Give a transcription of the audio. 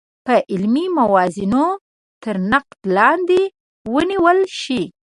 په علمي موازینو تر نقد لاندې ونیول شي.